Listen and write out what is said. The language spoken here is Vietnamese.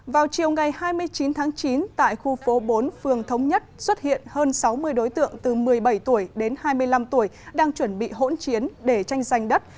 vào chiều ngày hai mươi chín tháng chín tại khu phố bốn phường thống nhất xuất hiện hơn sáu mươi đối tượng từ một mươi bảy tuổi đến hai mươi năm tuổi đang chuẩn bị hỗn chiến để tranh giành đất